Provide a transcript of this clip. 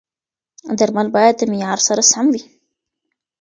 درمل باید د معیار سره سم وي.